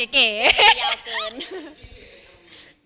ยาวเกิน